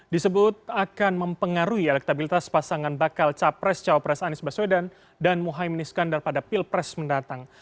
disebut akan mempengaruhi elektabilitas pasangan bakal capres cawapres anies baswedan dan muhaymin iskandar pada pilpres mendatang